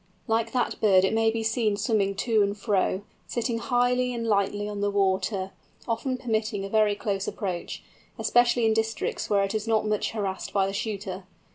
Like that bird it may be seen swimming to and fro, sitting highly and lightly on the water, often permitting a very close approach, especially in districts where it is not much harassed by the shooter.